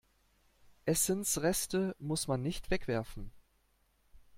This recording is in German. Essensreste muss man nicht wegwerfen.